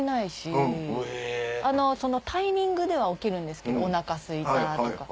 そのタイミングでは起きるんですけどお腹すいたとか。